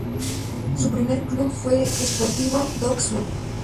Su primer club fue Sportivo Dock Sud.